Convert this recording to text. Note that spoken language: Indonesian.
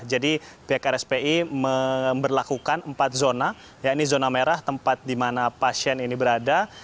jadi pihak rspi berlakukan empat zona ya ini zona merah tempat di mana pasien ini berada